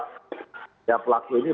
ya pelaku pelaku teroris ini